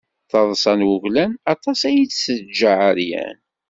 Taḍsa n wuglan, aṭas ay teǧǧa ɛeryan.